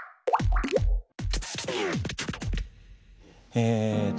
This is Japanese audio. えっと